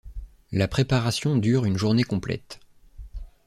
La préparation dure une journée complète.